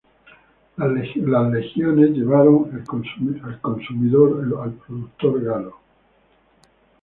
Las legiones llevaron el consumidor al productor galo.